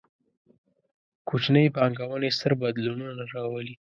کوچنۍ پانګونې، ستر بدلونونه راولي